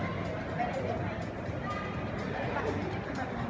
พี่แม่ที่เว้นได้รับความรู้สึกมากกว่า